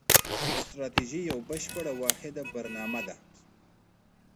ستراتیژي یوه بشپړه واحده برنامه ده.